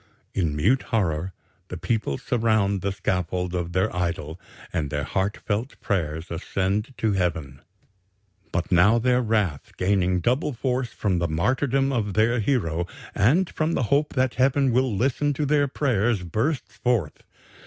In mute horror the people surround the scaffold of their idol and their heart felt prayers ascend to Heaven. "But now their wrath, gaining double force from the martyrdom of their hero and from the hope that Heaven will listen to their prayers, bursts forth.